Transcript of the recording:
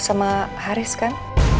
sama haris kan